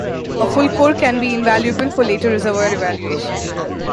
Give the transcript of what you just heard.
A full core can be invaluable for later reservoir evaluation.